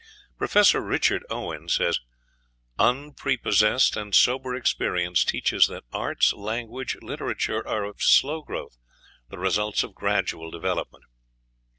Prof. Richard Owen says, "Unprepossessed and sober experience teaches that arts, language, literature are of slow growth, the results of gradual development."